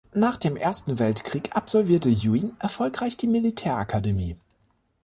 Nach dem Ersten Weltkrieg absolvierte Juin erfolgreich die Militärakademie.